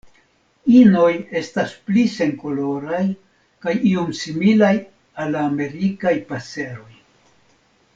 Inoj estas pli senkoloraj kaj iom similaj al la Amerikaj paseroj.